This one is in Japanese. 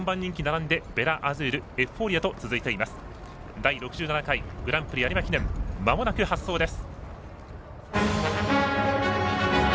第６７回有馬記念まもなく発走です。